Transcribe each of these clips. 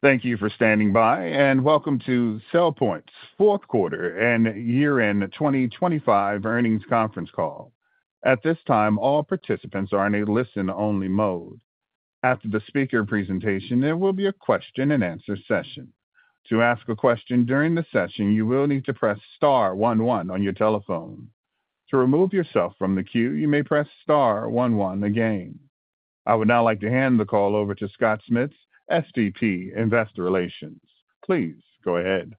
Thank you for standing by, and welcome to SailPoint's fourth quarter and year-end 2025 earnings conference call. At this time, all participants are in a listen-only mode. After the speaker presentation, there will be a question-and-answer session. To ask a question during the session, you will need to press star one one on your telephone. To remove yourself from the queue, you may press star one one again. I would now like to hand the call over to Scott Schmitz, SVP of Investor Relations. Please go ahead.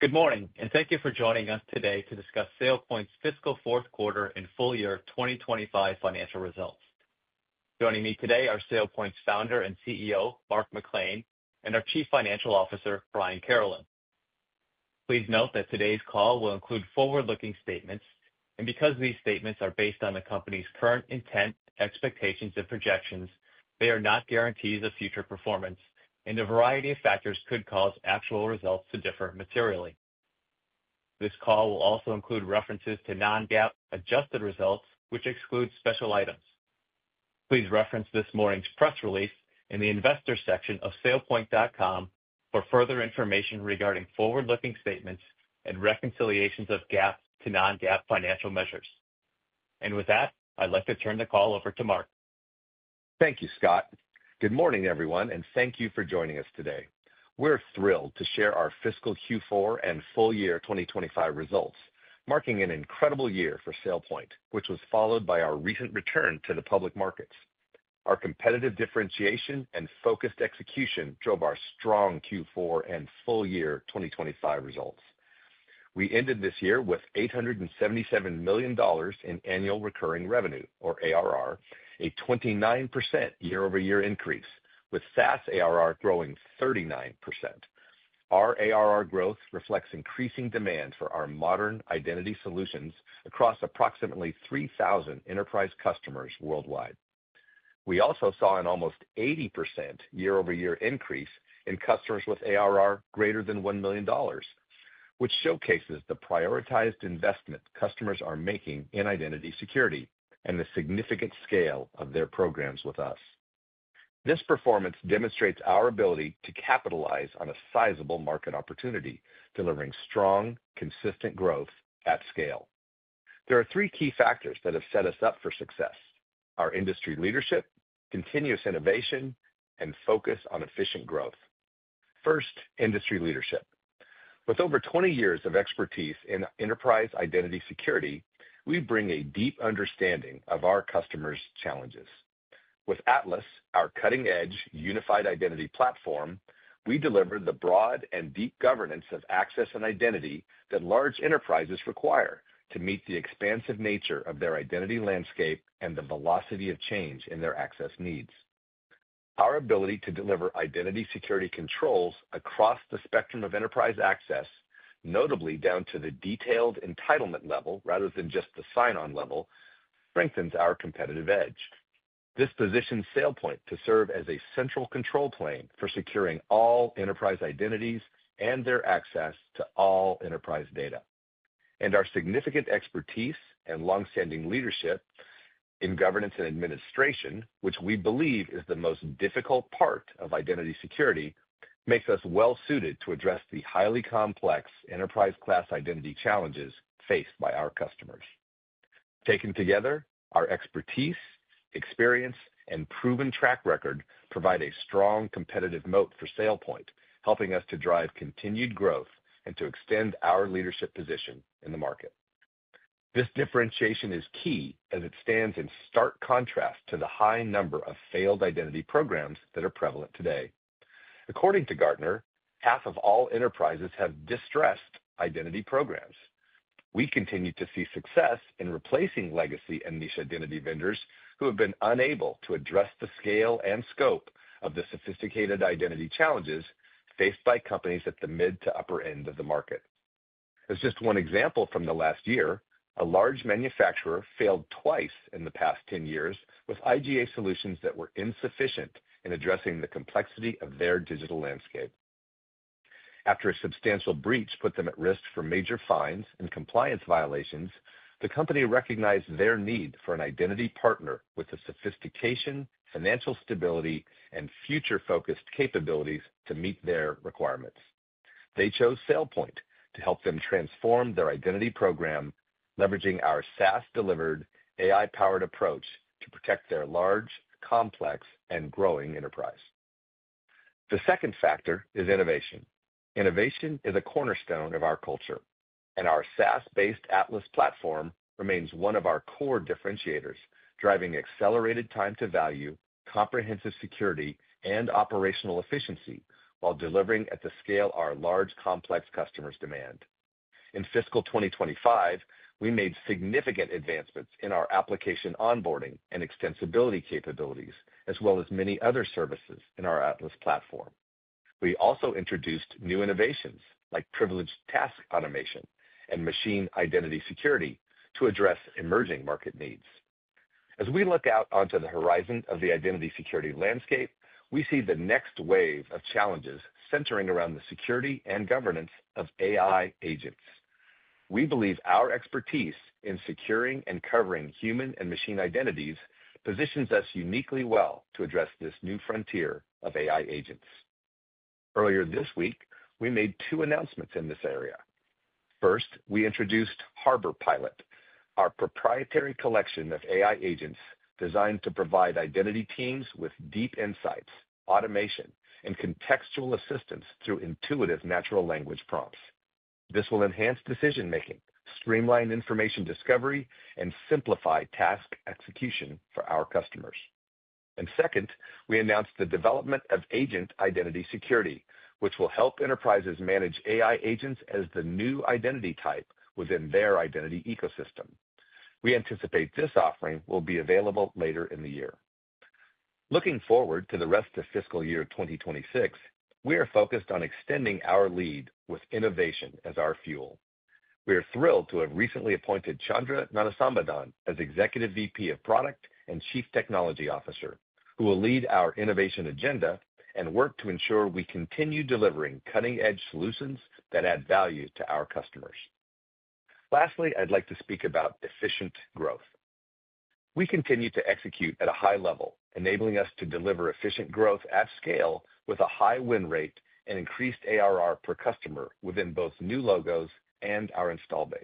Good morning, and thank you for joining us today to discuss SailPoint's fiscal fourth quarter and full year 2025 financial results. Joining me today are SailPoint's Founder and CEO, Mark McClain, and our Chief Financial Officer, Brian Carolan. Please note that today's call will include forward-looking statements, and because these statements are based on the company's current intent, expectations, and projections, they are not guarantees of future performance, and a variety of factors could cause actual results to differ materially. This call will also include references to non-GAAP adjusted results, which excludes special items. Please reference this morning's press release in the investor section of sailpoint.com for further information regarding forward-looking statements and reconciliations of GAAP to non-GAAP financial measures. With that, I'd like to turn the call over to Mark. Thank you, Scott. Good morning, everyone, and thank you for joining us today. We're thrilled to share our fiscal Q4 and full year 2025 results, marking an incredible year for SailPoint, which was followed by our recent return to the public markets. Our competitive differentiation and focused execution drove our strong Q4 and full year 2025 results. We ended this year with $877 million in annual recurring revenue, or ARR, a 29% year-over-year increase, with SaaS ARR growing 39%. Our ARR growth reflects increasing demand for our modern identity solutions across approximately 3,000 enterprise customers worldwide. We also saw an almost 80% year-over-year increase in customers with ARR greater than $1 million, which showcases the prioritized investment customers are making in identity security and the significant scale of their programs with us. This performance demonstrates our ability to capitalize on a sizable market opportunity, delivering strong, consistent growth at scale. There are three key factors that have set us up for success: our industry leadership, continuous innovation, and focus on efficient growth. First, industry leadership. With over 20 years of expertise in enterprise identity security, we bring a deep understanding of our customers' challenges. With Atlas, our cutting-edge unified identity platform, we deliver the broad and deep governance of access and identity that large enterprises require to meet the expansive nature of their identity landscape and the velocity of change in their access needs. Our ability to deliver identity security controls across the spectrum of enterprise access, notably down to the detailed entitlement level rather than just the sign-on level, strengthens our competitive edge. This positions SailPoint to serve as a central control plane for securing all enterprise identities and their access to all enterprise data. Our significant expertise and longstanding leadership in governance and administration, which we believe is the most difficult part of identity security, makes us well-suited to address the highly complex enterprise-class identity challenges faced by our customers. Taken together, our expertise, experience, and proven track record provide a strong competitive moat for SailPoint, helping us to drive continued growth and to extend our leadership position in the market. This differentiation is key as it stands in stark contrast to the high number of failed identity programs that are prevalent today. According to Gartner, half of all enterprises have distressed identity programs. We continue to see success in replacing legacy and niche identity vendors who have been unable to address the scale and scope of the sophisticated identity challenges faced by companies at the mid to upper end of the market. As just one example from the last year, a large manufacturer failed twice in the past 10 years with IGA solutions that were insufficient in addressing the complexity of their digital landscape. After a substantial breach put them at risk for major fines and compliance violations, the company recognized their need for an identity partner with the sophistication, financial stability, and future-focused capabilities to meet their requirements. They chose SailPoint to help them transform their identity program, leveraging our SaaS-delivered AI-powered approach to protect their large, complex, and growing enterprise. The second factor is innovation. Innovation is a cornerstone of our culture, and our SaaS-based Atlas platform remains one of our core differentiators, driving accelerated time-to-value, comprehensive security, and operational efficiency while delivering at the scale our large, complex customers demand. In fiscal 2025, we made significant advancements in our application onboarding and extensibility capabilities, as well as many other services in our Atlas platform. We also introduced new innovations like Privileged Task Automation and Machine Identity Security to address emerging market needs. As we look out onto the horizon of the identity security landscape, we see the next wave of challenges centering around the security and governance of AI agents. We believe our expertise in securing and covering human and machine identities positions us uniquely well to address this new frontier of AI agents. Earlier this week, we made two announcements in this area. First, we introduced Harbor Pilot, our proprietary collection of AI agents designed to provide identity teams with deep insights, automation, and contextual assistance through intuitive natural language prompts. This will enhance decision-making, streamline information discovery, and simplify task execution for our customers. Second, we announced the development of Agent Identity Security, which will help enterprises manage AI agents as the new identity type within their identity ecosystem. We anticipate this offering will be available later in the year. Looking forward to the rest of fiscal year 2026, we are focused on extending our lead with innovation as our fuel. We are thrilled to have recently appointed Chandra Gnanasambandam as Executive VP of Product and Chief Technology Officer, who will lead our innovation agenda and work to ensure we continue delivering cutting-edge solutions that add value to our customers. Lastly, I'd like to speak about efficient growth. We continue to execute at a high level, enabling us to deliver efficient growth at scale with a high win rate and increased ARR per customer within both new logos and our install base.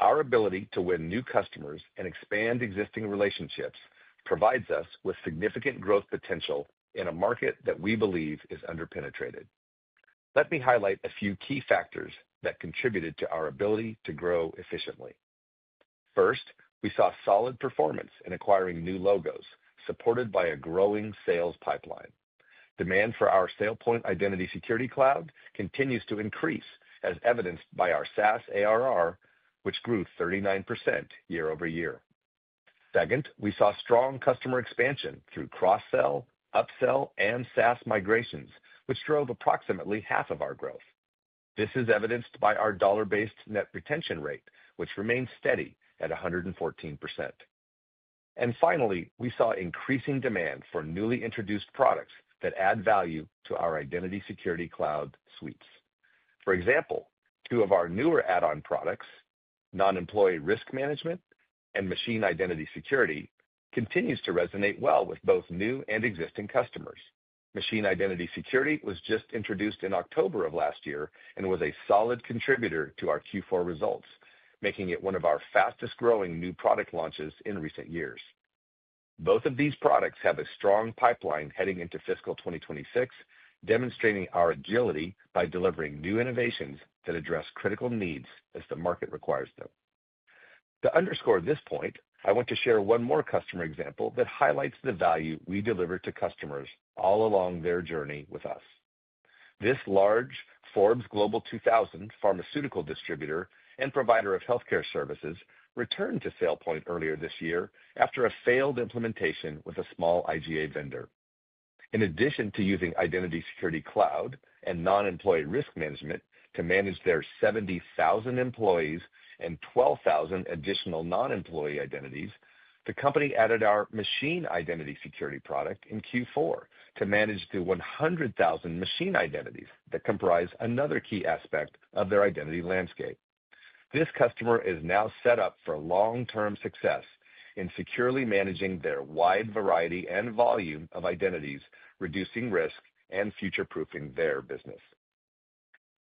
Our ability to win new customers and expand existing relationships provides us with significant growth potential in a market that we believe is underpenetrated. Let me highlight a few key factors that contributed to our ability to grow efficiently. First, we saw solid performance in acquiring new logos, supported by a growing sales pipeline. Demand for our SailPoint Identity Security Cloud continues to increase, as evidenced by our SaaS ARR, which grew 39% year-over-year. Second, we saw strong customer expansion through cross-sell, upsell, and SaaS migrations, which drove approximately half of our growth. This is evidenced by our dollar-based net retention rate, which remains steady at 114%. Finally, we saw increasing demand for newly introduced products that add value to our Identity Security Cloud suites. For example, two of our newer add-on products, Non-Employee Risk Management and Machine Identity Security, continue to resonate well with both new and existing customers. Machine Identity Security was just introduced in October of last year and was a solid contributor to our Q4 results, making it one of our fastest-growing new product launches in recent years. Both of these products have a strong pipeline heading into fiscal 2026, demonstrating our agility by delivering new innovations that address critical needs as the market requires them. To underscore this point, I want to share one more customer example that highlights the value we deliver to customers all along their journey with us. This large Forbes Global 2000 pharmaceutical distributor and provider of healthcare services returned to SailPoint earlier this year after a failed implementation with a small IGA vendor. In addition to using Identity Security Cloud and Non-Employee Risk Management to manage their 70,000 employees and 12,000 additional non-employee identities, the company added our Machine Identity Security product in Q4 to manage the 100,000 machine identities that comprise another key aspect of their identity landscape. This customer is now set up for long-term success in securely managing their wide variety and volume of identities, reducing risk and future-proofing their business.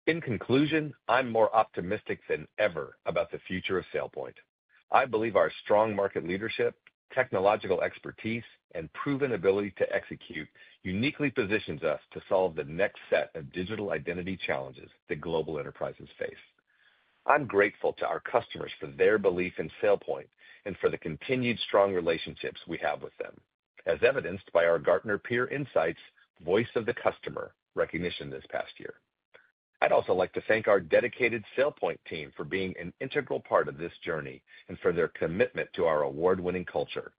In conclusion, I'm more optimistic than ever about the future of SailPoint. I believe our strong market leadership, technological expertise, and proven ability to execute uniquely positions us to solve the next set of digital identity challenges that global enterprises face. I'm grateful to our customers for their belief in SailPoint and for the continued strong relationships we have with them, as evidenced by our Gartner Peer Insights Voice of the Customer recognition this past year. I'd also like to thank our dedicated SailPoint team for being an integral part of this journey and for their commitment to our award-winning culture.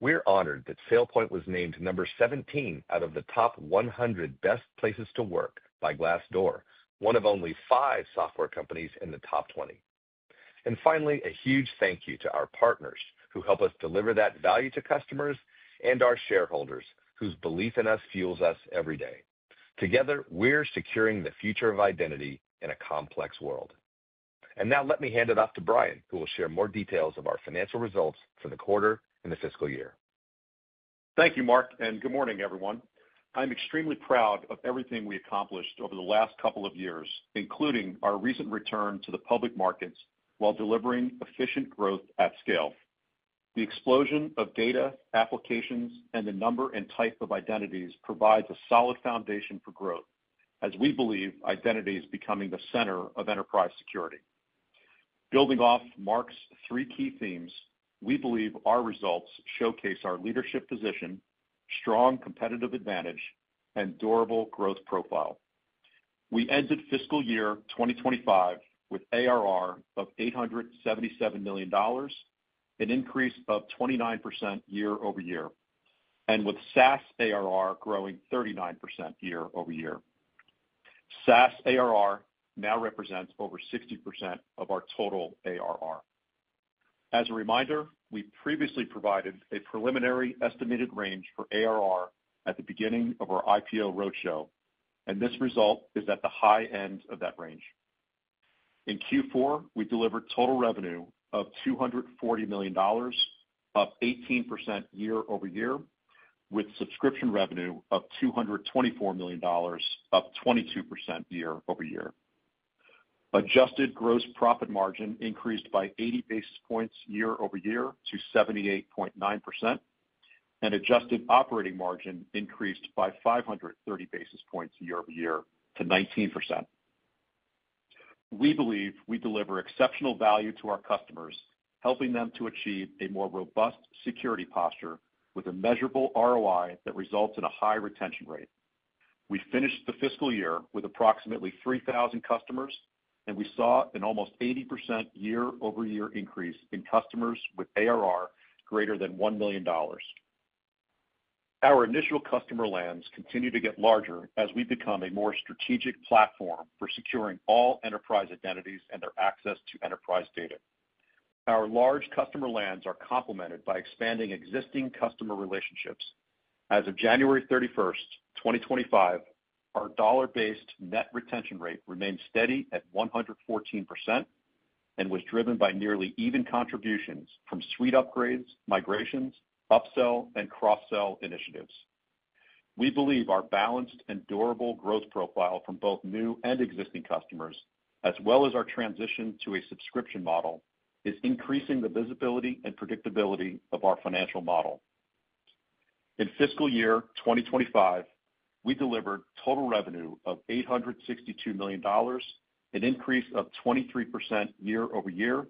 We're honored that SailPoint was named number 17 out of the top 100 best places to work by Glassdoor, one of only five software companies in the top 20. Finally, a huge thank you to our partners who help us deliver that value to customers and our shareholders, whose belief in us fuels us every day. Together, we're securing the future of identity in a complex world. Now let me hand it off to Brian, who will share more details of our financial results for the quarter and the fiscal year. Thank you, Mark, and good morning, everyone. I'm extremely proud of everything we accomplished over the last couple of years, including our recent return to the public markets while delivering efficient growth at scale. The explosion of data, applications, and the number and type of identities provides a solid foundation for growth, as we believe identity is becoming the center of enterprise security. Building off Mark's three key themes, we believe our results showcase our leadership position, strong competitive advantage, and durable growth profile. We ended fiscal year 2025 with ARR of $877 million, an increase of 29% year-over-year, and with SaaS ARR growing 39% year-over-year. SaaS ARR now represents over 60% of our total ARR. As a reminder, we previously provided a preliminary estimated range for ARR at the beginning of our IPO roadshow, and this result is at the high end of that range. In Q4, we delivered total revenue of $240 million, up 18% year-over-year, with subscription revenue of $224 million, up 22% year-over-year. Adjusted gross profit margin increased by 80 basis points year-over-year to 78.9%, and adjusted operating margin increased by 530 basis points year-over-year to 19%. We believe we deliver exceptional value to our customers, helping them to achieve a more robust security posture with a measurable ROI that results in a high retention rate. We finished the fiscal year with approximately 3,000 customers, and we saw an almost 80% year-over-year increase in customers with ARR greater than $1 million. Our initial customer lands continue to get larger as we become a more strategic platform for securing all enterprise identities and their access to enterprise data. Our large customer lands are complemented by expanding existing customer relationships. As of January 31st, 2025, our dollar-based net retention rate remained steady at 114% and was driven by nearly even contributions from suite upgrades, migrations, upsell, and cross-sell initiatives. We believe our balanced and durable growth profile from both new and existing customers, as well as our transition to a subscription model, is increasing the visibility and predictability of our financial model. In fiscal year 2025, we delivered total revenue of $862 million, an increase of 23% year-over-year,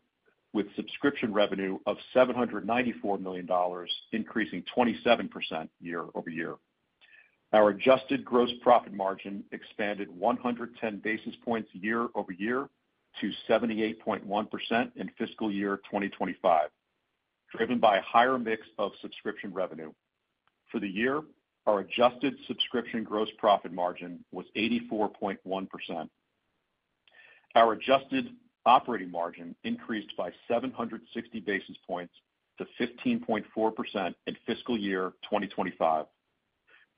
with subscription revenue of $794 million, increasing 27% year-over-year. Our adjusted gross profit margin expanded 110 basis points year-over-year to 78.1% in fiscal year 2025, driven by a higher mix of subscription revenue. For the year, our adjusted subscription gross profit margin was 84.1%. Our adjusted operating margin increased by 760 basis points to 15.4% in fiscal year 2025.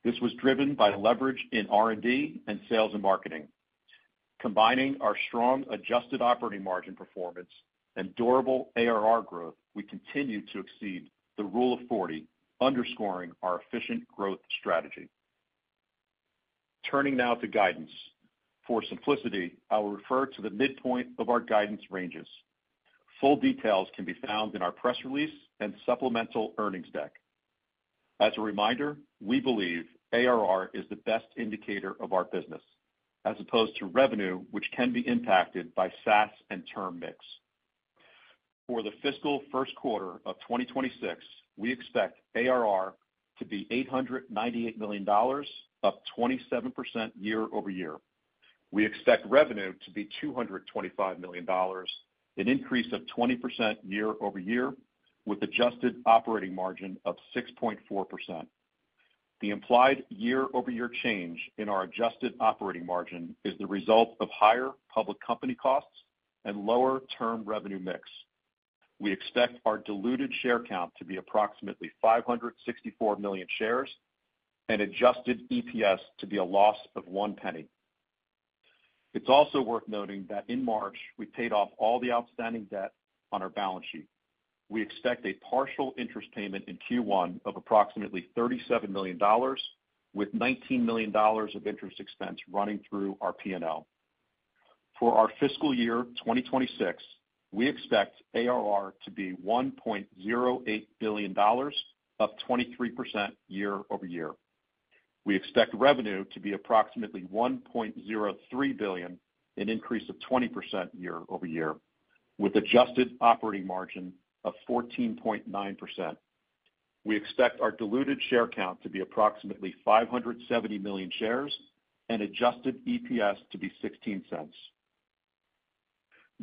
This was driven by leverage in R&D and sales and marketing. Combining our strong adjusted operating margin performance and durable ARR growth, we continue to exceed the Rule of 40, underscoring our efficient growth strategy. Turning now to guidance. For simplicity, I will refer to the midpoint of our guidance ranges. Full details can be found in our press release and supplemental earnings deck. As a reminder, we believe ARR is the best indicator of our business, as opposed to revenue, which can be impacted by SaaS and term mix. For the fiscal first quarter of 2026, we expect ARR to be $898 million, up 27% year-over-year. We expect revenue to be $225 million, an increase of 20% year-over-year, with adjusted operating margin of 6.4%. The implied year-over-year change in our adjusted operating margin is the result of higher public company costs and lower term revenue mix. We expect our diluted share count to be approximately 564 million shares and adjusted EPS to be a loss of $0.01. It's also worth noting that in March, we paid off all the outstanding debt on our balance sheet. We expect a partial interest payment in Q1 of approximately $37 million, with $19 million of interest expense running through our P&L. For our fiscal year 2026, we expect ARR to be $1.08 billion, up 23% year-over-year. We expect revenue to be approximately $1.03 billion, an increase of 20% year-over-year, with adjusted operating margin of 14.9%. We expect our diluted share count to be approximately 570 million shares and adjusted EPS to be $0.16.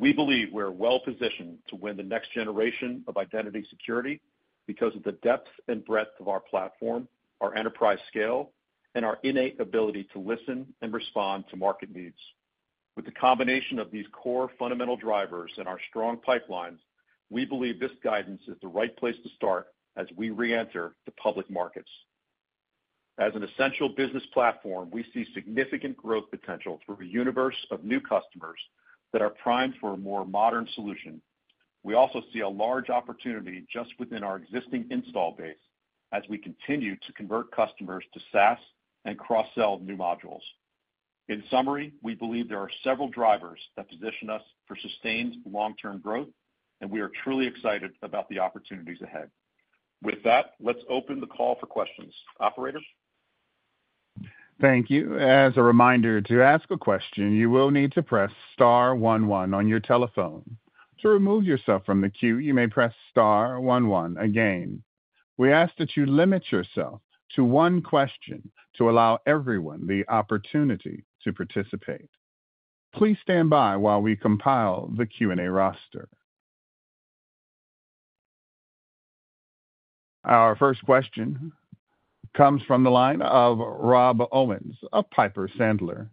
We believe we're well-positioned to win the next generation of identity security because of the depth and breadth of our platform, our enterprise scale, and our innate ability to listen and respond to market needs. With the combination of these core fundamental drivers and our strong pipelines, we believe this guidance is the right place to start as we re-enter the public markets. As an essential business platform, we see significant growth potential through a universe of new customers that are primed for a more modern solution. We also see a large opportunity just within our existing install base as we continue to convert customers to SaaS and cross-sell new modules. In summary, we believe there are several drivers that position us for sustained long-term growth, and we are truly excited about the opportunities ahead. With that, let's open the call for questions. Operator? Thank you. As a reminder, to ask a question, you will need to press star one one on your telephone. To remove yourself from the queue, you may press star one one again. We ask that you limit yourself to one question to allow everyone the opportunity to participate. Please stand by while we compile the Q&A roster. Our first question comes from the line of Rob Owens at Piper Sandler.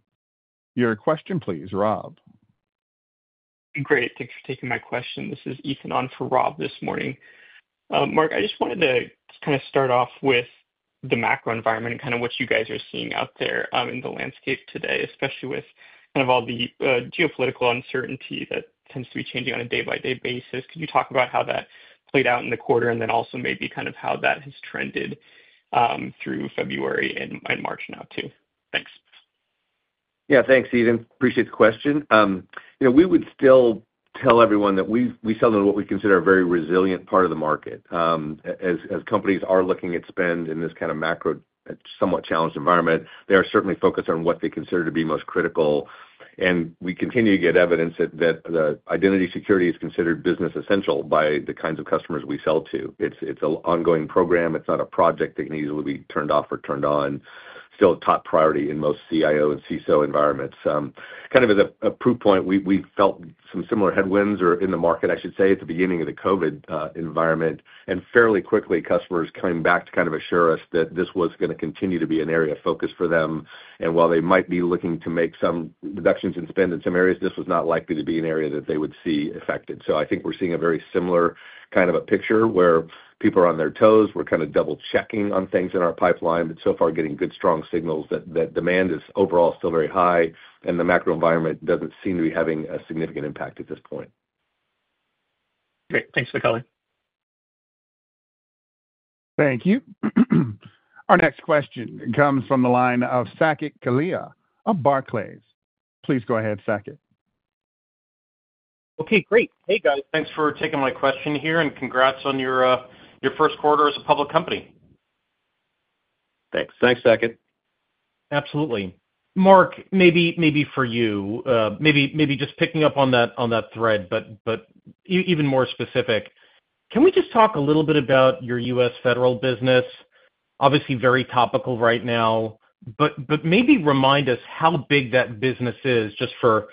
Your question, please, Rob. Great. Thanks for taking my question. This is Ethan on for Rob this morning. Mark, I just wanted to kind of start off with the macro environment and kind of what you guys are seeing out there in the landscape today, especially with kind of all the geopolitical uncertainty that tends to be changing on a day-by-day basis. Could you talk about how that played out in the quarter and then also maybe kind of how that has trended through February and March now too? Thanks. Yeah, thanks, Ethan. Appreciate the question. We would still tell everyone that we sell into what we consider a very resilient part of the market. As companies are looking at spend in this kind of macro, somewhat challenged environment, they are certainly focused on what they consider to be most critical. We continue to get evidence that identity security is considered business essential by the kinds of customers we sell to. It's an ongoing program. It's not a project that can easily be turned off or turned on. Still a top priority in most CIO and CISO environments. Kind of as a proof point, we felt some similar headwinds or in the market, I should say, at the beginning of the COVID environment. Fairly quickly, customers came back to kind of assure us that this was going to continue to be an area of focus for them. While they might be looking to make some reductions in spend in some areas, this was not likely to be an area that they would see affected. I think we're seeing a very similar kind of a picture where people are on their toes. We're kind of double-checking on things in our pipeline, but so far getting good, strong signals that demand is overall still very high, and the macro environment doesn't seem to be having a significant impact at this point. Great. Thanks for calling. Thank you. Our next question comes from the line of Saket Kalia, of Barclays. Please go ahead, Saket. Okay, great. Hey, guys. Thanks for taking my question here and congrats on your first quarter as a public company. Thanks. Thanks, Saket. Absolutely. Mark, maybe for you, maybe just picking up on that thread, but even more specific, can we just talk a little bit about your U.S. federal business? Obviously, very topical right now, but maybe remind us how big that business is just for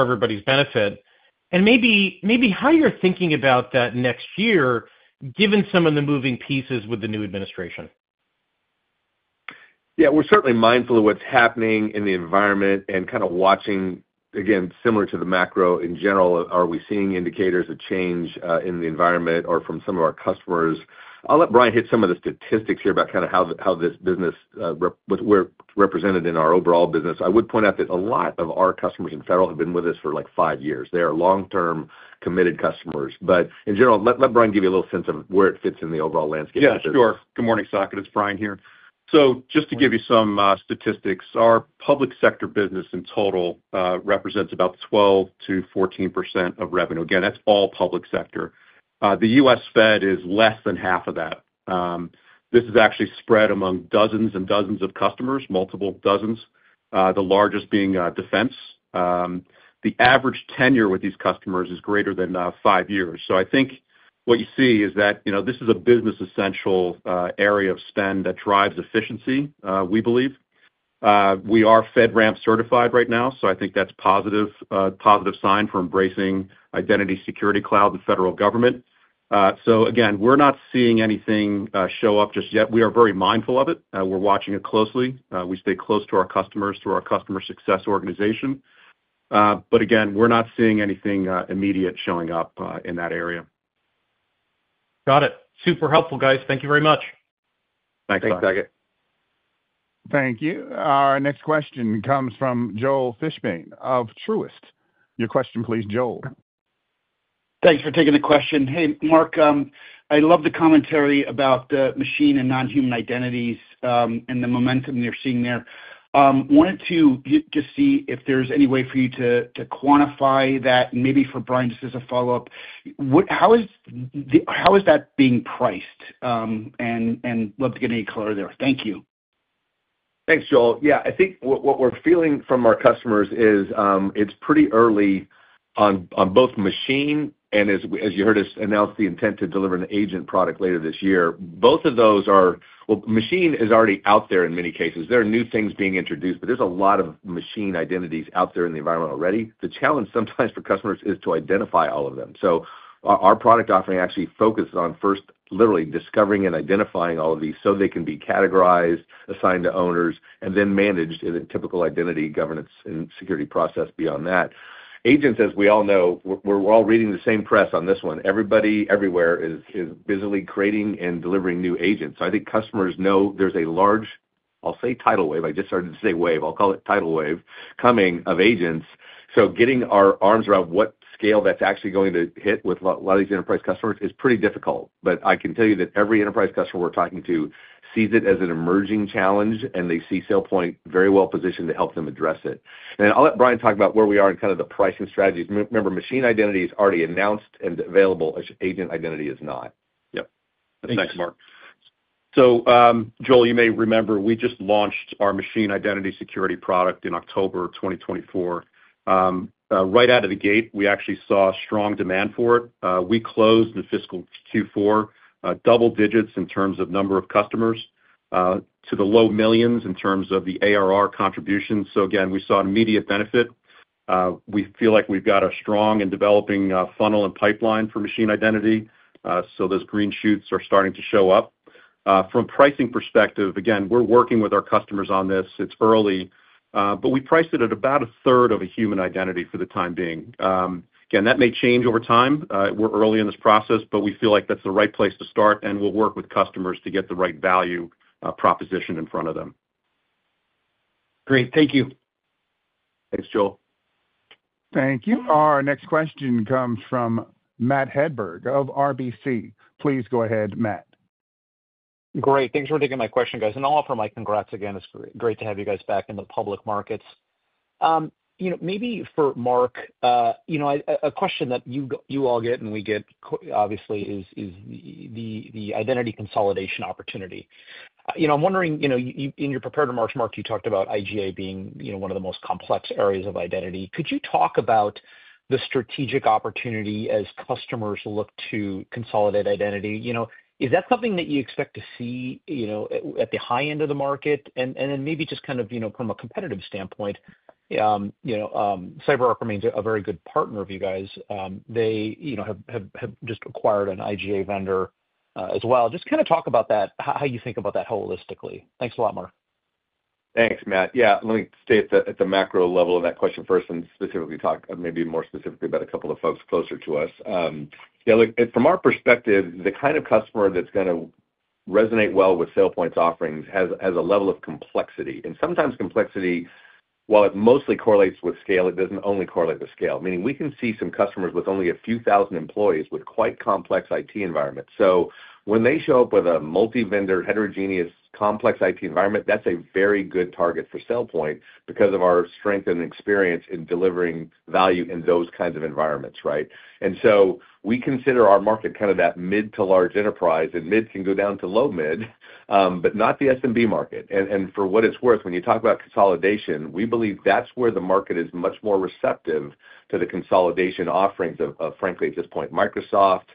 everybody's benefit and maybe how you're thinking about that next year, given some of the moving pieces with the new administration. Yeah, we're certainly mindful of what's happening in the environment and kind of watching, again, similar to the macro in general, are we seeing indicators of change in the environment or from some of our customers? I'll let Brian hit some of the statistics here about kind of how this business represented in our overall business. I would point out that a lot of our customers in federal have been with us for like five years. They are long-term committed customers. In general, let Brian give you a little sense of where it fits in the overall landscape. Yeah, sure. Good morning, Saket. It's Brian here. Just to give you some statistics, our public sector business in total represents about 12%-14% of revenue. Again, that's all public sector. The U.S. Fed is less than half of that. This is actually spread among dozens and dozens of customers, multiple dozens, the largest being defense. The average tenure with these customers is greater than five years. I think what you see is that this is a business-essential area of spend that drives efficiency, we believe. We are FedRAMP certified right now, so I think that's a positive sign for embracing Identity Security Cloud in federal government. We're not seeing anything show up just yet. We are very mindful of it. We're watching it closely. We stay close to our customers, to our customer success organization. We're not seeing anything immediate showing up in that area. Got it. Super helpful, guys. Thank you very much. Thanks, Saket. Thank you. Our next question comes from Joel Fishbein of Truist. Your question, please, Joel. Thanks for taking the question. Hey, Mark, I love the commentary about machine and non-human identities and the momentum you're seeing there. Wanted to just see if there's any way for you to quantify that, maybe for Brian, just as a follow-up. How is that being priced? Love to get any color there. Thank you. Thanks, Joel. Yeah, I think what we're feeling from our customers is it's pretty early on both machine and, as you heard us announce, the intent to deliver an agent product later this year. Both of those are—well, machine is already out there in many cases. There are new things being introduced, but there's a lot of machine identities out there in the environment already. The challenge sometimes for customers is to identify all of them. So our product offering actually focuses on first literally discovering and identifying all of these so they can be categorized, assigned to owners, and then managed in a typical identity governance and security process beyond that. Agents, as we all know, we're all reading the same press on this one. Everybody everywhere is busily creating and delivering new agents. I think customers know there's a large, I'll say, tidal wave—I just started to say wave. I'll call it tidal wave—coming of agents. Getting our arms around what scale that's actually going to hit with a lot of these enterprise customers is pretty difficult. I can tell you that every enterprise customer we're talking to sees it as an emerging challenge, and they see SailPoint very well positioned to help them address it. I'll let Brian talk about where we are in kind of the pricing strategies. Remember, Machine Identity is already announced and available. Agent Identity is not. Yep. Thanks, Mark. Joel, you may remember we just launched our Machine Identity Security product in October 2024. Right out of the gate, we actually saw strong demand for it. We closed in fiscal Q4 double digits in terms of number of customers to the low millions in terms of the ARR contribution. Again, we saw an immediate benefit. We feel like we've got a strong and developing funnel and pipeline for machine identity. Those green shoots are starting to show up. From a pricing perspective, again, we're working with our customers on this. It's early, but we priced it at about 1/3 of a human identity for the time being. That may change over time. We're early in this process, but we feel like that's the right place to start, and we'll work with customers to get the right value proposition in front of them. Great. Thank you. Thanks, Joel. Thank you. Our next question comes from Matt Hedberg of RBC. Please go ahead, Matt. Great. Thanks for taking my question, guys. I'll offer my congrats again. It's great to have you guys back in the public markets. Maybe for Mark, a question that you all get and we get, obviously, is the identity consolidation opportunity. I'm wondering, in your prepared remarks, Mark, you talked about IGA being one of the most complex areas of identity. Could you talk about the strategic opportunity as customers look to consolidate identity? Is that something that you expect to see at the high end of the market? Maybe just kind of from a competitive standpoint, CyberArk remains a very good partner of you guys. They have just acquired an IGA vendor as well. Just kind of talk about that, how you think about that holistically. Thanks a lot, Mark. Thanks, Matt. Yeah, let me stay at the macro level of that question first and specifically talk maybe more specifically about a couple of folks closer to us. Yeah, look, from our perspective, the kind of customer that's going to resonate well with SailPoint's offerings has a level of complexity. And sometimes complexity, while it mostly correlates with scale, it doesn't only correlate with scale. Meaning we can see some customers with only a few thousand employees with quite complex IT environments. When they show up with a multi-vendor, heterogeneous, complex IT environment, that's a very good target for SailPoint because of our strength and experience in delivering value in those kinds of environments, right? We consider our market kind of that mid to large enterprise, and mid can go down to low mid, but not the SMB market. For what it's worth, when you talk about consolidation, we believe that's where the market is much more receptive to the consolidation offerings of, frankly, at this point, Microsoft,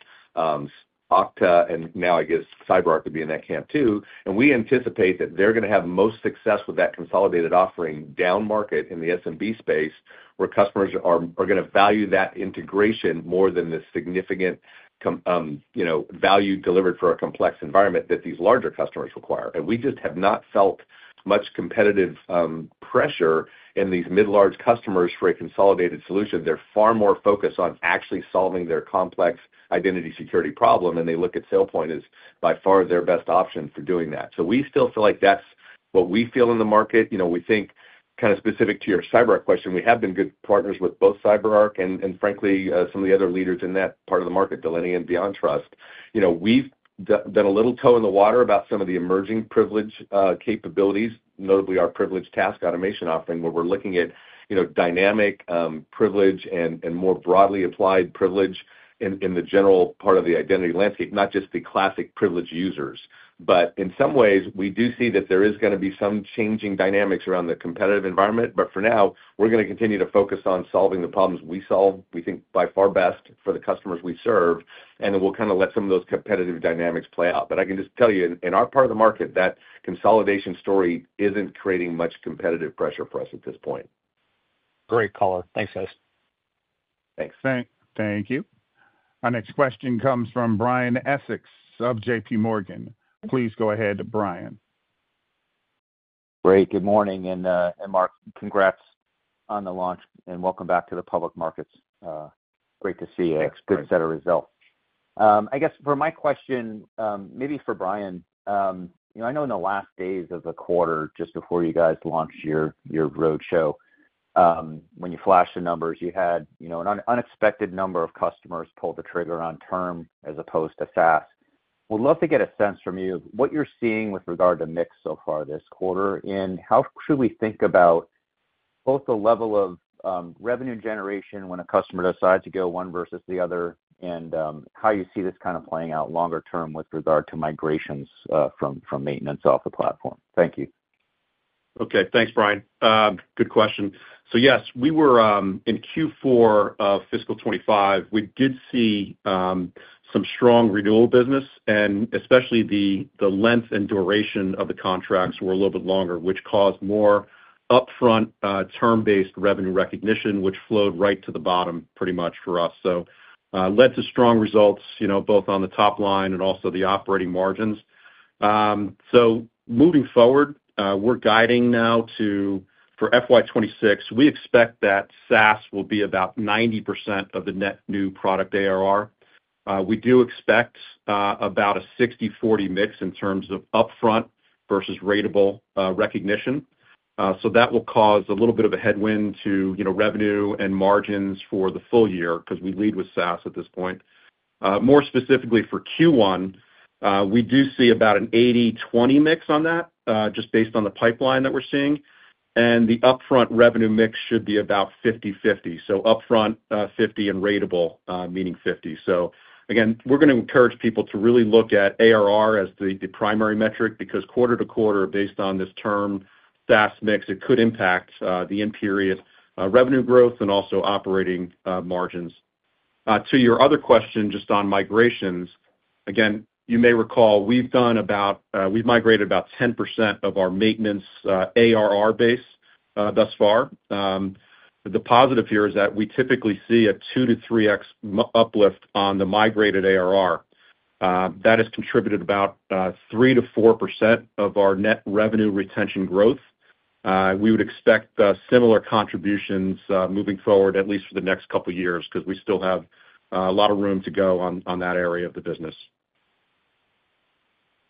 Okta, and now, I guess, CyberArk would be in that camp too. We anticipate that they're going to have most success with that consolidated offering down market in the SMB space where customers are going to value that integration more than the significant value delivered for a complex environment that these larger customers require. We just have not felt much competitive pressure in these mid-large customers for a consolidated solution. They're far more focused on actually solving their complex identity security problem, and they look at SailPoint as by far their best option for doing that. We still feel like that's what we feel in the market. We think kind of specific to your CyberArk question, we have been good partners with both CyberArk and, frankly, some of the other leaders in that part of the market, Delinea and BeyondTrust. We've done a little toe in the water about some of the emerging privilege capabilities, notably our Privileged Task Automation offering where we're looking at dynamic privilege and more broadly applied privilege in the general part of the identity landscape, not just the classic privilege users. In some ways, we do see that there is going to be some changing dynamics around the competitive environment. For now, we're going to continue to focus on solving the problems we solve, we think by far best for the customers we serve, and then we'll kind of let some of those competitive dynamics play out. I can just tell you, in our part of the market, that consolidation story isn't creating much competitive pressure for us at this point. Great color. Thanks, guys. Thanks. Thank you. Our next question comes from Brian Essex of JPMorgan. Please go ahead, Brian. Great. Good morning. Mark, congrats on the launch and welcome back to the public markets. Great to see you. Thanks, Brian. Good set of results. I guess for my question, maybe for Brian, I know in the last days of the quarter, just before you guys launched your roadshow, when you flashed the numbers, you had an unexpected number of customers pull the trigger on term as opposed to SaaS. We'd love to get a sense from you of what you're seeing with regard to mix so far this quarter and how should we think about both the level of revenue generation when a customer decides to go one versus the other and how you see this kind of playing out longer term with regard to migrations from maintenance off the platform. Thank you. Okay. Thanks, Brian. Good question. Yes, we were in Q4 of fiscal 2025. We did see some strong renewal business, and especially the length and duration of the contracts were a little bit longer, which caused more upfront term-based revenue recognition, which flowed right to the bottom pretty much for us. Led to strong results both on the top line and also the operating margins. Moving forward, we're guiding now to, for FY 2026, we expect that SaaS will be about 90% of the net new product ARR. We do expect about a 60/40 mix in terms of upfront versus ratable recognition. That will cause a little bit of a headwind to revenue and margins for the full year because we lead with SaaS at this point. More specifically for Q1, we do see about an 80/20 mix on that just based on the pipeline that we're seeing. The upfront revenue mix should be about 50/50. Upfront 50 and ratable, meaning 50. Again, we're going to encourage people to really look at ARR as the primary metric because quarter to quarter, based on this term SaaS mix, it could impact the end period revenue growth and also operating margins. To your other question just on migrations, you may recall we've migrated about 10% of our maintenance ARR base thus far. The positive here is that we typically see a 2-3x uplift on the migrated ARR. That has contributed about 3-4% of our net revenue retention growth. We would expect similar contributions moving forward, at least for the next couple of years because we still have a lot of room to go on that area of the business.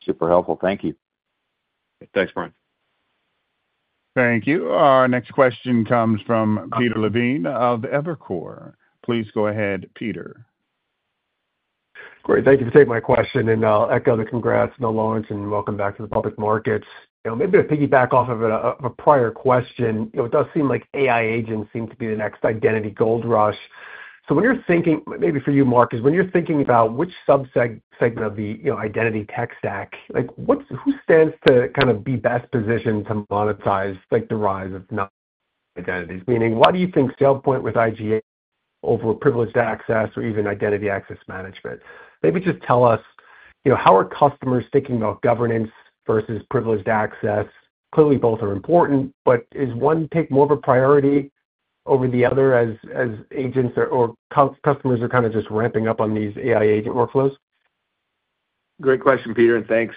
Super helpful. Thank you. Thanks, Brian. Thank you. Our next question comes from Peter Levine of Evercore. Please go ahead, Peter. Great. Thank you for taking my question. I'll echo the congrats to launch and welcome back to the public markets. Maybe to piggyback off of a prior question, it does seem like AI agents seem to be the next identity gold rush. When you're thinking, maybe for you, Mark, when you're thinking about which subsegment of the identity tech stack, who stands to kind of be best positioned to monetize the rise of identities? Meaning, why do you think SailPoint with IGA over privileged access or even identity access management? Maybe just tell us, how are customers thinking about governance versus privileged access? Clearly, both are important, but is one take more of a priority over the other as agents or customers are kind of just ramping up on these AI agent workflows? Great question, Peter, and thanks.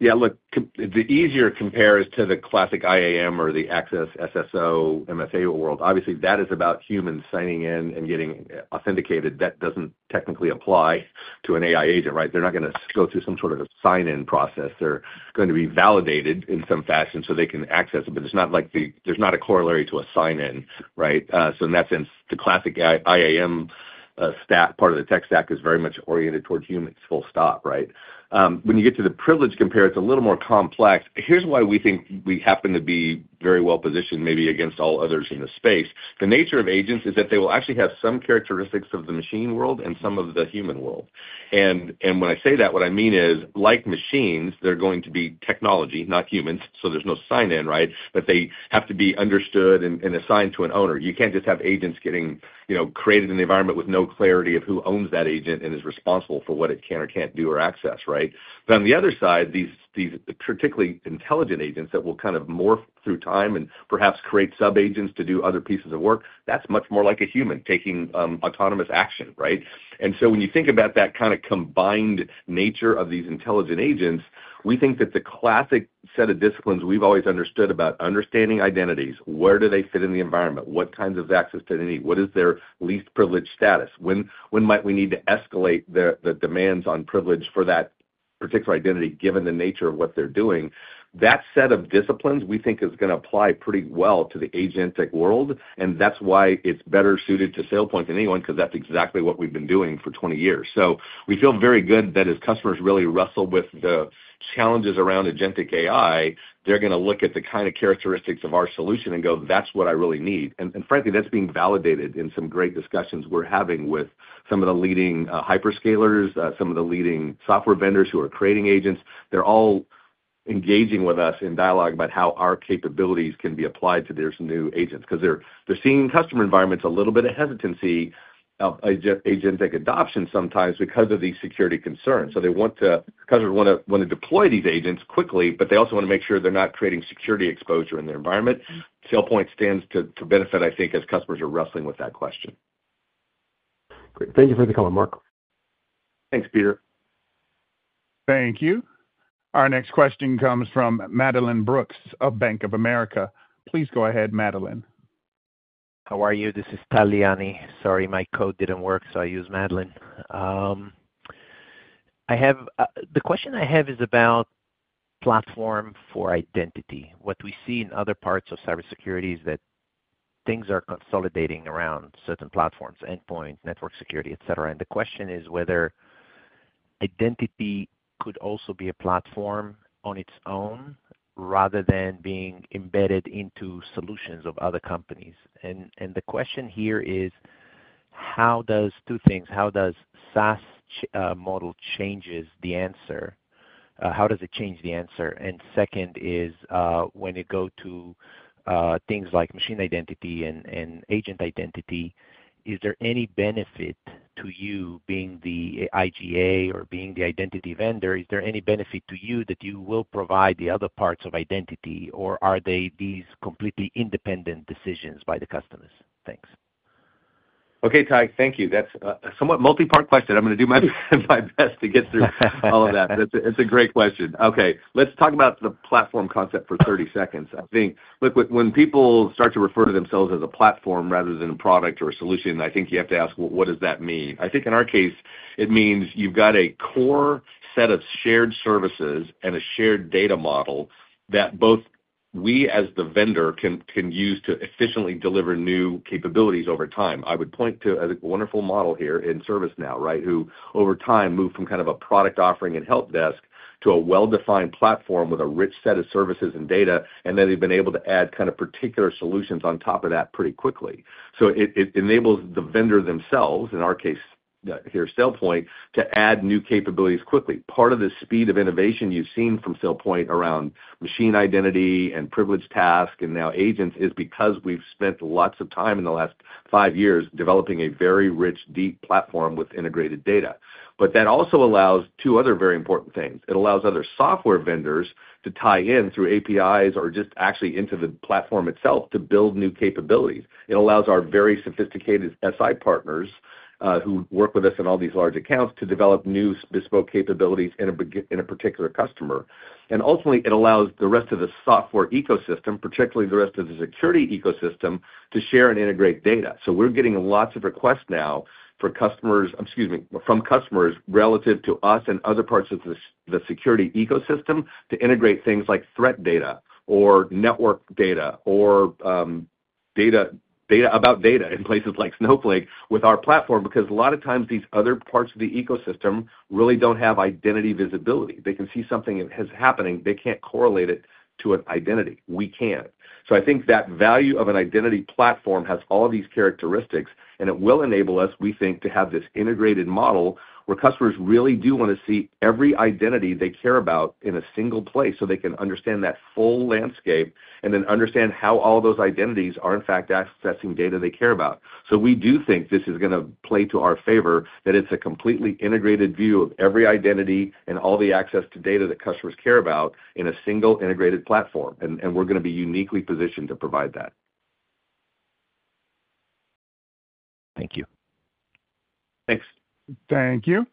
Yeah, look, the easier compares to the classic IAM or the access SSO MFA world. Obviously, that is about humans signing in and getting authenticated. That doesn't technically apply to an AI agent, right? They're not going to go through some sort of a sign-in process. They're going to be validated in some fashion so they can access it, but there's not a corollary to a sign-in, right? In that sense, the classic IAM stack, part of the tech stack, is very much oriented towards humans. Full stop, right? When you get to the privilege compare, it's a little more complex. Here's why we think we happen to be very well positioned maybe against all others in the space. The nature of agents is that they will actually have some characteristics of the machine world and some of the human world. When I say that, what I mean is, like machines, they're going to be technology, not humans. There's no sign-in, right? They have to be understood and assigned to an owner. You can't just have agents getting created in the environment with no clarity of who owns that agent and is responsible for what it can or can't do or access, right? On the other side, these particularly intelligent agents that will kind of morph through time and perhaps create sub-agents to do other pieces of work, that's much more like a human taking autonomous action, right? When you think about that kind of combined nature of these intelligent agents, we think that the classic set of disciplines we've always understood about understanding identities, where do they fit in the environment? What kinds of access to any, what is their least privileged status? When might we need to escalate the demands on privilege for that particular identity given the nature of what they're doing? That set of disciplines we think is going to apply pretty well to the agentic world, and that's why it's better suited to SailPoint than anyone because that's exactly what we've been doing for 20 years. We feel very good that as customers really wrestle with the challenges around agentic AI, they're going to look at the kind of characteristics of our solution and go, "That's what I really need." Frankly, that's being validated in some great discussions we're having with some of the leading hyperscalers, some of the leading software vendors who are creating agents. They're all engaging with us in dialogue about how our capabilities can be applied to their new agents because they're seeing in customer environments a little bit of hesitancy of agentic adoption sometimes because of these security concerns. They want to, customers want to deploy these agents quickly, but they also want to make sure they're not creating security exposure in their environment. SailPoint stands to benefit, I think, as customers are wrestling with that question. Great. Thank you for the comment, Mark. Thanks, Peter. Thank you. Our next question comes from Madeline Brooks of Bank of America. Please go ahead, Madeline. How are you? This is Tal Liani. Sorry, my code did not work, so I used Madeline. The question I have is about platform for identity. What we see in other parts of cybersecurity is that things are consolidating around certain platforms, endpoint, network security, etc. The question is whether identity could also be a platform on its own rather than being embedded into solutions of other companies. The question here is, how does two things? How does SaaS model change the answer? How does it change the answer? Second is, when you go to things like machine identity and agent identity, is there any benefit to you being the IGA or being the identity vendor? Is there any benefit to you that you will provide the other parts of identity, or are these completely independent decisions by the customers? Thanks. Okay, Tal, thank you. That's a somewhat multi-part question. I'm going to do my best to get through all of that. It's a great question. Okay. Let's talk about the platform concept for 30 seconds. I think, look, when people start to refer to themselves as a platform rather than a product or a solution, I think you have to ask, "Well, what does that mean?" I think in our case, it means you've got a core set of shared services and a shared data model that both we as the vendor can use to efficiently deliver new capabilities over time. I would point to a wonderful model here in ServiceNow, right, who over time moved from kind of a product offering and help desk to a well-defined platform with a rich set of services and data, and then they've been able to add kind of particular solutions on top of that pretty quickly. It enables the vendor themselves, in our case here, SailPoint, to add new capabilities quickly. Part of the speed of innovation you've seen from SailPoint around machine identity and privileged task and now agents is because we've spent lots of time in the last five years developing a very rich, deep platform with integrated data. That also allows two other very important things. It allows other software vendors to tie in through APIs or just actually into the platform itself to build new capabilities. It allows our very sophisticated SI partners who work with us in all these large accounts to develop new bespoke capabilities in a particular customer. It ultimately allows the rest of the software ecosystem, particularly the rest of the security ecosystem, to share and integrate data. We are getting lots of requests now from customers relative to us and other parts of the security ecosystem to integrate things like threat data or network data or data about data in places like Snowflake with our platform because a lot of times these other parts of the ecosystem really do not have identity visibility. They can see something that is happening. They cannot correlate it to an identity. We can. I think that value of an identity platform has all these characteristics, and it will enable us, we think, to have this integrated model where customers really do want to see every identity they care about in a single place so they can understand that full landscape and then understand how all those identities are, in fact, accessing data they care about. We do think this is going to play to our favor that it's a completely integrated view of every identity and all the access to data that customers care about in a single integrated platform. We're going to be uniquely positioned to provide that. Thank you. Thanks. Thank you.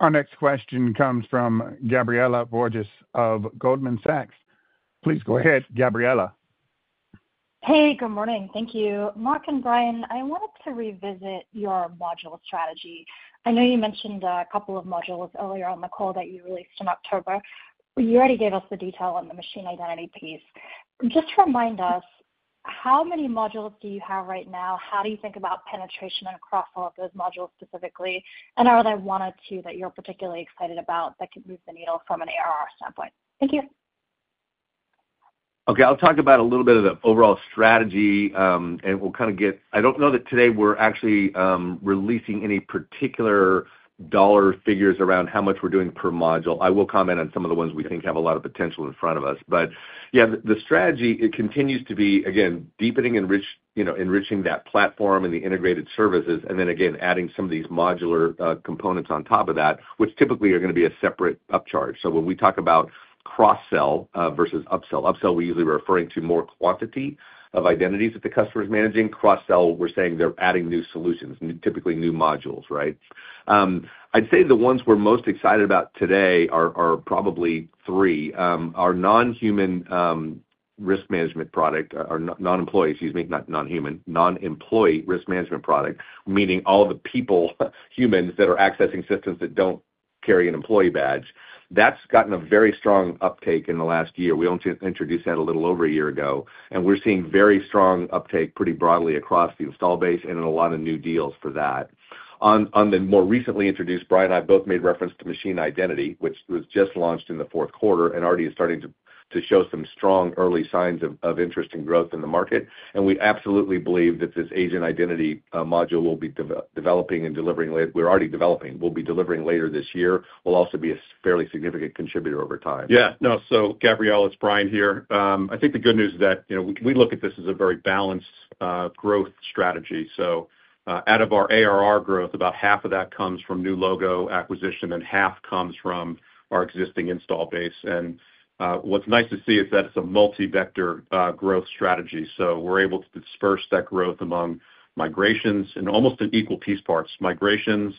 Our next question comes from Gabriela Borges of Goldman Sachs. Please go ahead, Gabriela. Hey, good morning. Thank you. Mark and Brian, I wanted to revisit your module strategy. I know you mentioned a couple of modules earlier on the call that you released in October. You already gave us the detail on the machine identity piece. Just to remind us, how many modules do you have right now? How do you think about penetration across all of those modules specifically? Are there one or two that you're particularly excited about that could move the needle from an ARR standpoint? Thank you. Okay. I'll talk about a little bit of the overall strategy, and we'll kind of get—I don't know that today we're actually releasing any particular dollar figures around how much we're doing per module. I will comment on some of the ones we think have a lot of potential in front of us. Yeah, the strategy, it continues to be, again, deepening and enriching that platform and the integrated services, and then again, adding some of these modular components on top of that, which typically are going to be a separate upcharge. When we talk about cross-sell versus upsell—upsell, we usually refer to more quantity of identities that the customer is managing. Cross-sell, we're saying they're adding new solutions, typically new modules, right? I'd say the ones we're most excited about today are probably three. Our non-human risk management product—or Non-Employee, excuse me, not non-human, Non-Employee Risk Management product, meaning all the people, humans that are accessing systems that don't carry an employee badge—that's gotten a very strong uptake in the last year. We only introduced that a little over a year ago, and we're seeing very strong uptake pretty broadly across the install base and in a lot of new deals for that. On the more recently introduced, Brian and I both made reference to Machine Identity, which was just launched in the fourth quarter and already is starting to show some strong early signs of interest and growth in the market. We absolutely believe that this Agent Identity module we'll be developing and delivering—we're already developing—we'll be delivering later this year. We'll also be a fairly significant contributor over time. Yeah. No, Gabriela, it's Brian here. I think the good news is that we look at this as a very balanced growth strategy. Out of our ARR growth, about half of that comes from new logo acquisition and half comes from our existing install base. What's nice to see is that it's a multi-vector growth strategy. We're able to disperse that growth among migrations and almost in equal piece parts, migrations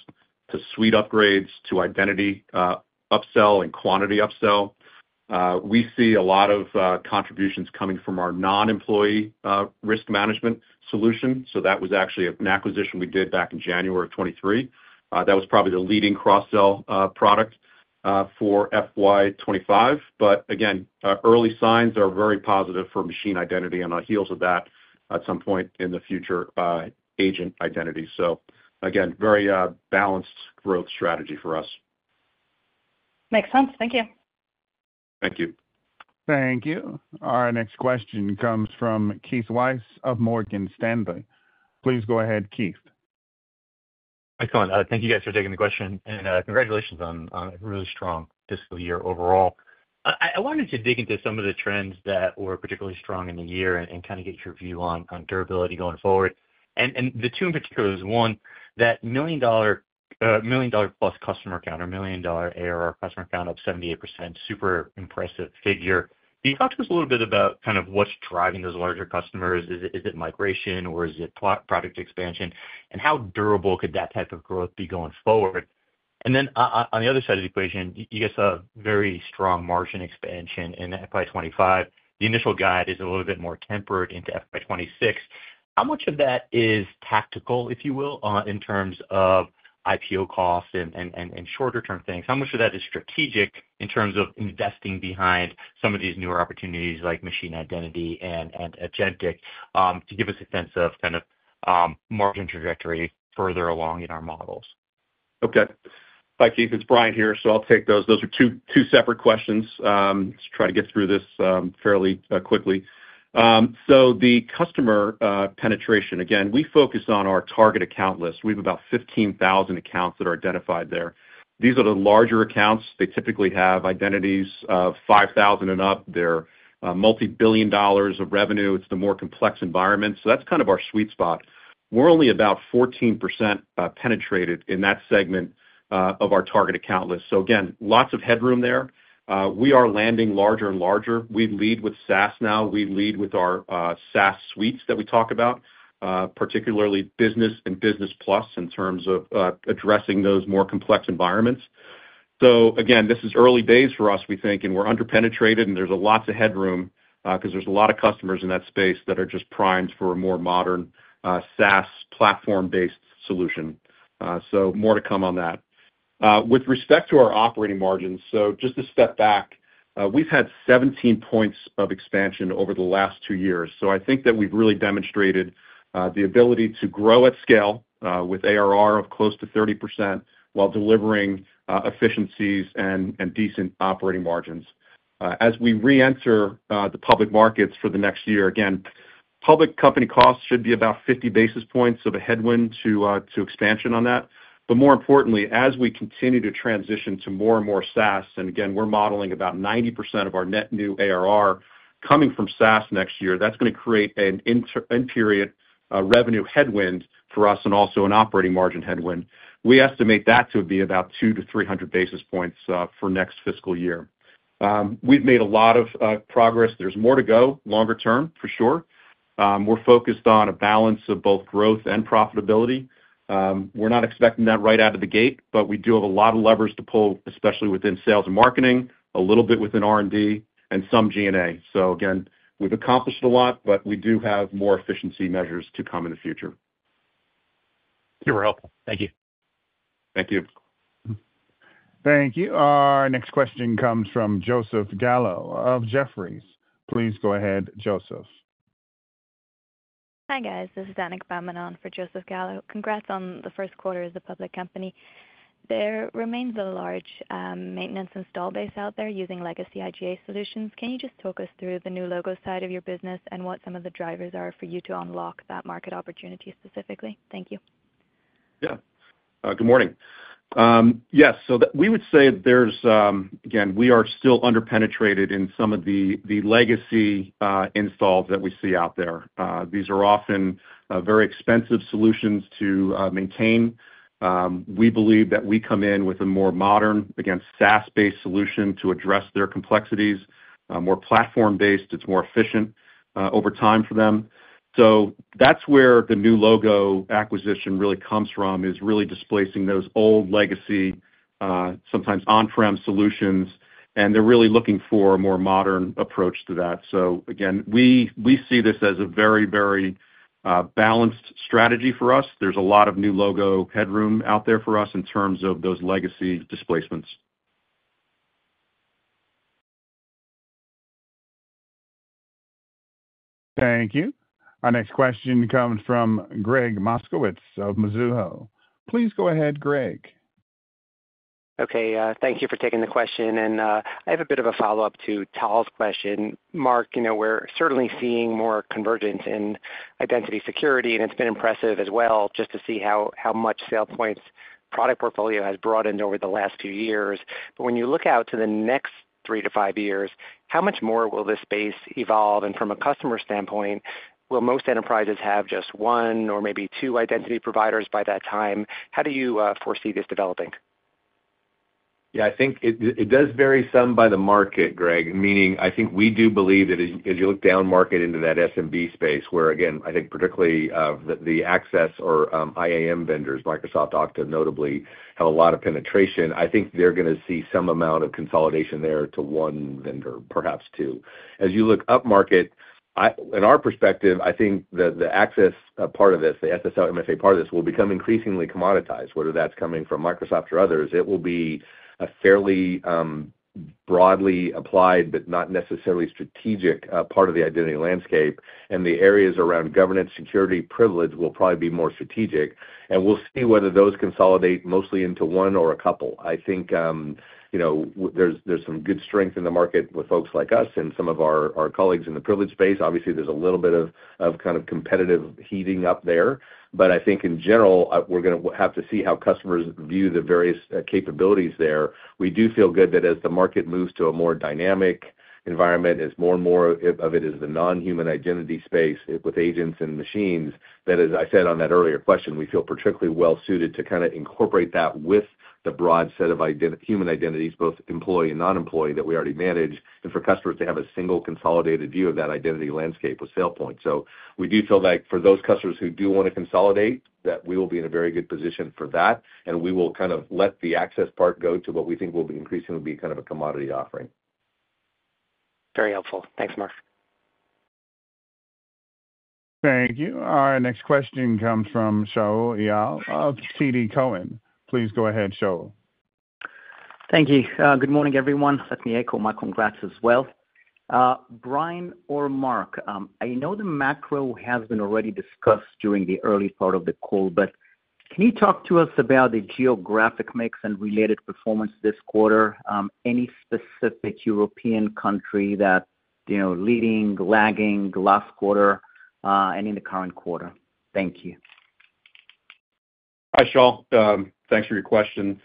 to suite upgrades to identity upsell and quantity upsell. We see a lot of contributions coming from our Non-Employee Risk Management solution. That was actually an acquisition we did back in January of 2023. That was probably the leading cross-sell product for FY 2025. Again, early signs are very positive for Machine Identity and on the heels of that, at some point in the future, Agent Identity. Again, very balanced growth strategy for us. Makes sense. Thank you. Thank you. Thank you. Our next question comes from Keith Weiss of Morgan Stanley. Please go ahead, Keith. Excellent. Thank you guys for taking the question, and congratulations on a really strong fiscal year overall. I wanted to dig into some of the trends that were particularly strong in the year and kind of get your view on durability going forward. The two in particular is one, that million-dollar plus customer count or million-dollar ARR customer count of 78%, super impressive figure. Can you talk to us a little bit about kind of what's driving those larger customers? Is it migration or is it product expansion? How durable could that type of growth be going forward? On the other side of the equation, you guys saw very strong margin expansion in FY 2025. The initial guide is a little bit more tempered into FY 2026. How much of that is tactical, if you will, in terms of IPO costs and shorter-term things? How much of that is strategic in terms of investing behind some of these newer opportunities like machine identity and agentic to give us a sense of kind of margin trajectory further along in our models? Okay. Hi, Keith. It's Brian here. I'll take those. Those are two separate questions. Let's try to get through this fairly quickly. The customer penetration, again, we focus on our target account list. We have about 15,000 accounts that are identified there. These are the larger accounts. They typically have identities of 5,000 and up. They're multi-billion dollars of revenue. It's the more complex environment. That's kind of our sweet spot. We're only about 14% penetrated in that segment of our target account list. Again, lots of headroom there. We are landing larger and larger. We lead with SaaS now. We lead with our SaaS suites that we talk about, particularly Business and Business Plus in terms of addressing those more complex environments. Again, this is early days for us, we think, and we're underpenetrated, and there's a lot of headroom because there's a lot of customers in that space that are just primed for a more modern SaaS platform-based solution. More to come on that. With respect to our operating margins, just a step back, we've had 17 percentage points of expansion over the last two years. I think that we've really demonstrated the ability to grow at scale with ARR of close to 30% while delivering efficiencies and decent operating margins. As we re-enter the public markets for the next year, public company costs should be about 50 basis points of a headwind to expansion on that. More importantly, as we continue to transition to more and more SaaS, and again, we're modeling about 90% of our net new ARR coming from SaaS next year, that's going to create an end-period revenue headwind for us and also an operating margin headwind. We estimate that to be about 200-300 basis points for next fiscal year. We've made a lot of progress. There's more to go, longer term, for sure. We're focused on a balance of both growth and profitability. We're not expecting that right out of the gate, but we do have a lot of levers to pull, especially within sales and marketing, a little bit within R&D, and some G&A. Again, we've accomplished a lot, but we do have more efficiency measures to come in the future. Super helpful. Thank you. Thank you. Thank you. Our next question comes from Joseph Gallo of Jefferies. Please go ahead, Joseph. Hi guys. This is Annika Bomeny for Joseph Gallo. Congrats on the first quarter as a public company. There remains a large maintenance install base out there using legacy IGA solutions. Can you just talk us through the new logo side of your business and what some of the drivers are for you to unlock that market opportunity specifically? Thank you. Yeah. Good morning. Yes. We would say there's, again, we are still underpenetrated in some of the legacy installs that we see out there. These are often very expensive solutions to maintain. We believe that we come in with a more modern, again, SaaS-based solution to address their complexities. More platform-based, it's more efficient over time for them. That's where the new logo acquisition really comes from, is really displacing those old legacy, sometimes on-prem solutions, and they're really looking for a more modern approach to that. Again, we see this as a very, very balanced strategy for us. There's a lot of new logo headroom out there for us in terms of those legacy displacements. Thank you. Our next question comes from Greg Moskowitz of Mizuho. Please go ahead, Greg. Okay. Thank you for taking the question. I have a bit of a follow-up to Tal's question. Mark, we're certainly seeing more convergence in identity security, and it's been impressive as well just to see how much SailPoint's product portfolio has broadened over the last few years. When you look out to the next three to five years, how much more will this space evolve? From a customer standpoint, will most enterprises have just one or maybe two identity providers by that time? How do you foresee this developing? Yeah. I think it does vary some by the market, Greg, meaning I think we do believe that as you look down market into that SMB space, where again, I think particularly the access or IAM vendors, Microsoft, Okta notably, have a lot of penetration. I think they're going to see some amount of consolidation there to one vendor, perhaps two. As you look up market, in our perspective, I think the access part of this, the SSO, MFA part of this will become increasingly commoditized, whether that's coming from Microsoft or others. It will be a fairly broadly applied but not necessarily strategic part of the identity landscape. The areas around governance, security, privilege will probably be more strategic. We'll see whether those consolidate mostly into one or a couple. I think there's some good strength in the market with folks like us and some of our colleagues in the privilege space. Obviously, there's a little bit of kind of competitive heating up there. I think in general, we're going to have to see how customers view the various capabilities there. We do feel good that as the market moves to a more dynamic environment, as more and more of it is the non-human identity space with agents and machines, that as I said on that earlier question, we feel particularly well-suited to kind of incorporate that with the broad set of human identities, both employee and non-employee that we already manage, and for customers to have a single consolidated view of that identity landscape with SailPoint. We do feel that for those customers who do want to consolidate, that we will be in a very good position for that. We will kind of let the access part go to what we think will increasingly be kind of a commodity offering. Very helpful. Thanks, Mark. Thank you. Our next question comes from Shaul Eyal of TD Cowen. Please go ahead, Shaul. Thank you. Good morning, everyone. Let me echo my congrats as well. Brian or Mark, I know the macro has been already discussed during the early part of the call, but can you talk to us about the geographic mix and related performance this quarter? Any specific European country that's leading, lagging last quarter and in the current quarter? Thank you. Hi, Shaul. Thanks for your question.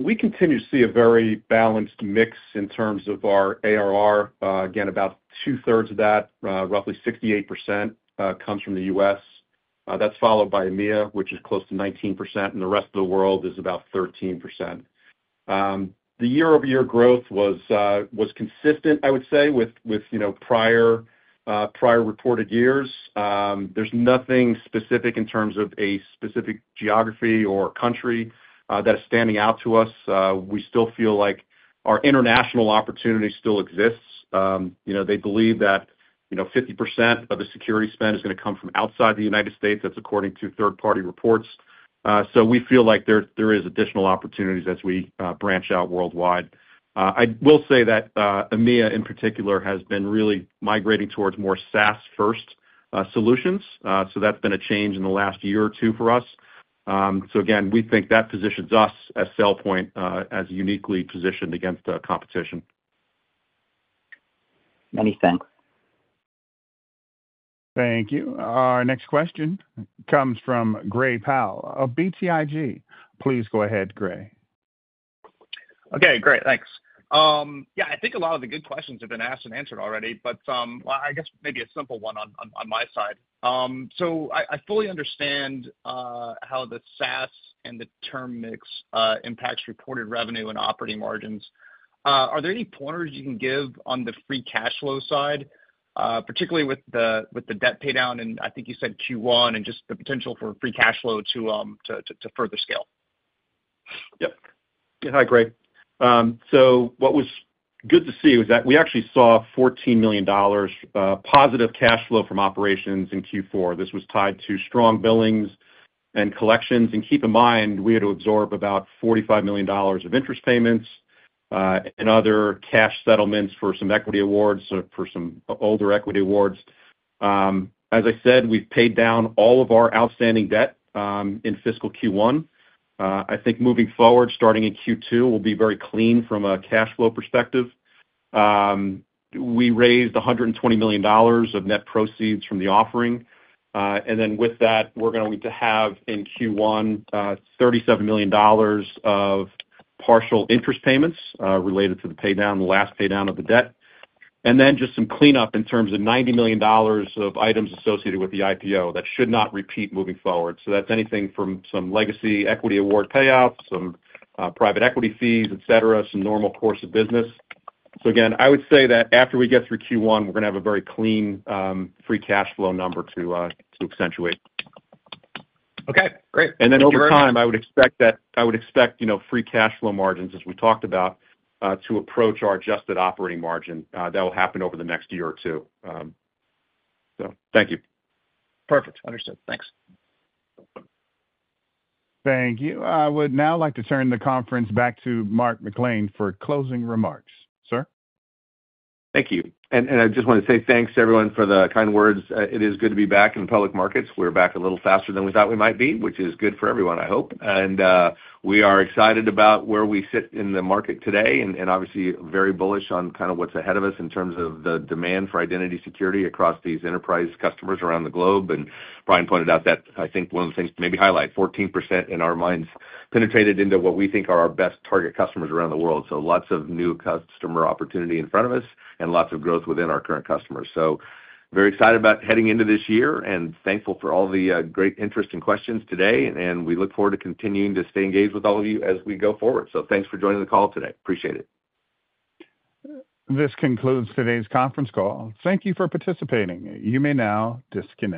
We continue to see a very balanced mix in terms of our ARR. Again, about two-thirds of that, roughly 68%, comes from the U.S. That is followed by EMEA, which is close to 19%, and the rest of the world is about 13%. The year-over-year growth was consistent, I would say, with prior reported years. There is nothing specific in terms of a specific geography or country that is standing out to us. We still feel like our international opportunity still exists. They believe that 50% of the security spend is going to come from outside the United States. That is according to third-party reports. We feel like there are additional opportunities as we branch out worldwide. I will say that EMEA, in particular, has been really migrating towards more SaaS-first solutions. That has been a change in the last year or two for us. Again, we think that positions us at SailPoint as uniquely positioned against the competition. Many thanks. Thank you. Our next question comes from Gray Powell of BTIG. Please go ahead, Gray. Okay. Great. Thanks. Yeah. I think a lot of the good questions have been asked and answered already, but I guess maybe a simple one on my side. I fully understand how the SaaS and the term mix impacts reported revenue and operating margins. Are there any pointers you can give on the free cash flow side, particularly with the debt paydown and I think you said Q1 and just the potential for free cash flow to further scale? Yep. Yeah. Hi, Gray. What was good to see was that we actually saw $14 million positive cash flow from operations in Q4. This was tied to strong billings and collections. Keep in mind, we had to absorb about $45 million of interest payments and other cash settlements for some equity awards or for some older equity awards. As I said, we've paid down all of our outstanding debt in fiscal Q1. I think moving forward, starting in Q2, we'll be very clean from a cash flow perspective. We raised $120 million of net proceeds from the offering. With that, we're going to have in Q1 $37 million of partial interest payments related to the paydown, the last paydown of the debt. Just some cleanup in terms of $90 million of items associated with the IPO that should not repeat moving forward. That's anything from some legacy equity award payouts, some private equity fees, etc., some normal course of business. Again, I would say that after we get through Q1, we're going to have a very clean free cash flow number to accentuate. Okay. Great. Thank you. Over time, I would expect free cash flow margins, as we talked about, to approach our adjusted operating margin. That will happen over the next year or two. Thank you. Perfect. Understood. Thanks. Thank you. I would now like to turn the conference back to Mark McClain for closing remarks. Sir. Thank you. I just want to say thanks, everyone, for the kind words. It is good to be back in the public markets. We are back a little faster than we thought we might be, which is good for everyone, I hope. We are excited about where we sit in the market today and obviously very bullish on kind of what's ahead of us in terms of the demand for identity security across these enterprise customers around the globe. Brian pointed out that I think one of the things to maybe highlight, 14% in our minds penetrated into what we think are our best target customers around the world. Lots of new customer opportunity in front of us and lots of growth within our current customers. Very excited about heading into this year and thankful for all the great interest and questions today. We look forward to continuing to stay engaged with all of you as we go forward. Thanks for joining the call today. Appreciate it. This concludes today's conference call. Thank you for participating. You may now disconnect.